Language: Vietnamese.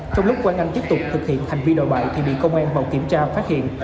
trong lúc quang anh tiếp tục thực hiện hành vi đòi bại thì bị công an vào kiểm tra phát hiện